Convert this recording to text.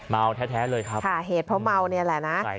เมาแท้เลยครับอืมใช่ค่ะเหตุเพราะเมานี่แหละนะ